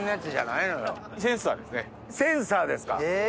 センサーですか！